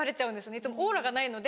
いつもオーラがないので。